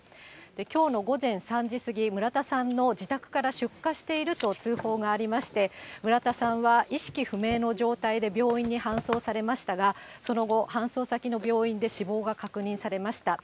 きょうの午前３時過ぎ、村田さんの自宅から出火していると通報がありまして、村田さんは意識不明の状態で病院に搬送されましたが、その後、搬送先の病院で死亡が確認されました。